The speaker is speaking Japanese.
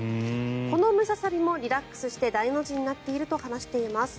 このムササビもリラックスして大の字になっていると話します。